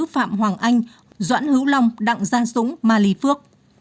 phạm hoàng anh doãn hữu long đặng giang súng ma ly phước